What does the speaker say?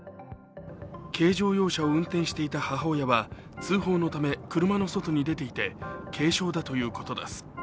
軽乗用車を運転していた母親は通報のため車の外に出ていて軽傷だということです。